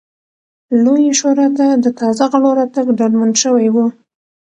لویې شورا ته د تازه غړو راتګ ډاډمن شوی و